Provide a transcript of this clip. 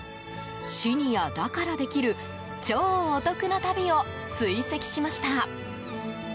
シニアだからできる超お得な旅を追跡しました。